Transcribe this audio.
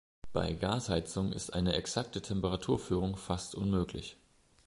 Bei Gasheizung ist eine exakte Temperatur-Führung fast unmöglich.